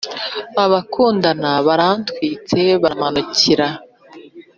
abakundana baratwitse barimanukira